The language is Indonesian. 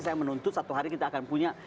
saya menuntut satu hari kita akan punya